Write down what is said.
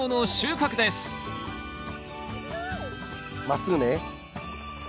まっすぐね。